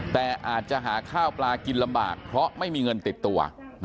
แต่อาจจะหาข้าวปลากินลำบากเพราะไม่มีเงินติดตัว